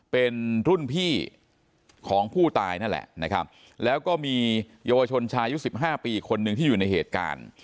เป็นรุ่นพี่ของผู้ตายนั่นแหละนะครับแล้วก็มีเยาวชนชายุ๑๕ปีคนหนึ่งที่อยู่ในเหตุการณ์